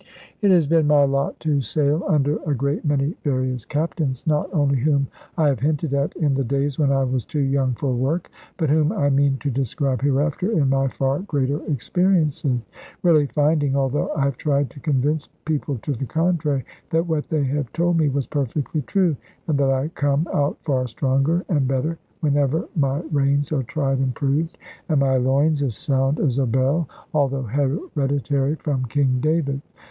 It has been my lot to sail under a great many various captains, not only whom I have hinted at in the days when I was too young for work, but whom I mean to describe hereafter in my far greater experiences; really finding (although I have tried to convince people to the contrary) that what they have told me was perfectly true, and that I come out far stronger and better whenever my reins are tried and proved; and my loins as sound as a bell, although hereditary from King David.